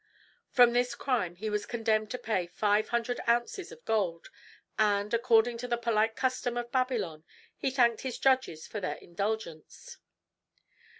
For this crime he was condemned to pay five hundred ounces of gold; and, according to the polite custom of Babylon, he thanked his judges for their indulgence.